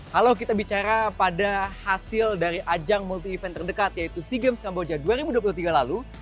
kalau kita bicara pada hasil dari ajang multi event terdekat yaitu sea games kamboja dua ribu dua puluh tiga lalu